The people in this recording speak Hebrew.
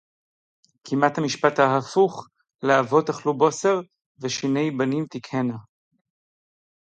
"כמעט המשפט ההפוך ל"אבות אכלו בוסר ושיני בנים תקהינה"